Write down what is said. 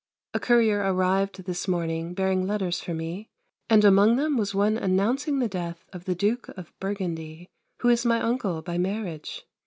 A courier arrived this morning, bearing letters for me, and among them was one announcing the death of the Duke of Burgundy, who is my uncle by marriage.